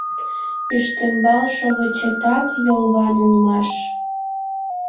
Ӱштембал шовычетат йолван улмаш.